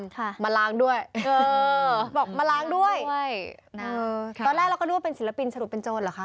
ตอนแรกเราก็ดูว่าเป็นศิลปินสรุปเป็นโจรเหรอคะ